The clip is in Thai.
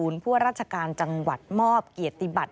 ซึ่งถึงพวกราชการจังหวัดมอบเกียจติบัติ